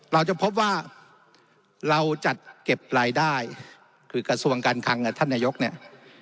เราจะพบว่าเราจัดเก็บรายได้คือกระทรวงการคังกับท่านนายกเนี่ย